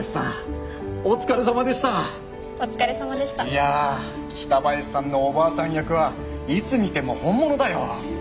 いや北林さんのおばあさん役はいつ見ても本物だよ。